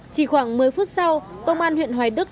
chỉ khoảng một mươi phút sau công an huyện hoài đức